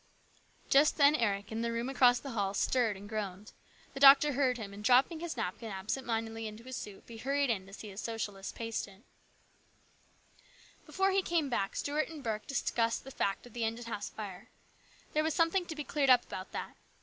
Just then Eric, in the room across the hall, stirred and groaned. The doctor heard him and, dropping his napkin absent mindedly into his soup, he hurried in to see his socialist patient. Before he came back, Stuart and Burke discussed the fact of the engine house fire. There was some thing to be cleared up about that.